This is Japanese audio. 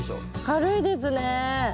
軽いですね。